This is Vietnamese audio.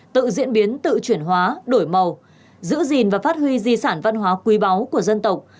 tự diễn biến tự chuyển hóa đổi màu giữ gìn và phát huy di sản văn hóa quý báu của dân tộc